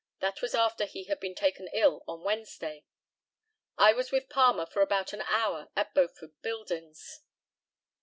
That was after he had been taken ill on Wednesday. I was with Palmer for about an hour at Beaufort buildings.